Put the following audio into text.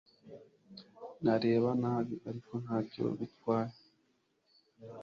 Nareba nabi ariko ntacyo bitwaye